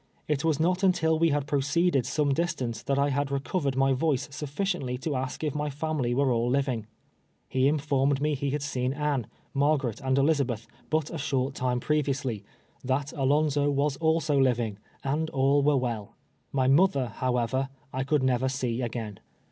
It was not until we had proceeded some distance that I had recovered my voice sutiiciently to ask if my family were all living. lie informed me lie had seen Anno, ^Margaret and Elizabeth but a short time previously; 804: TWELVE YEAES A SLAVE. that Alonzo ^vas also living, and all 'were well. My mother, however, I could never see again.